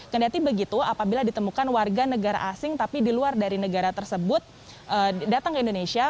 kendati begitu apabila ditemukan warga negara asing tapi di luar dari negara tersebut datang ke indonesia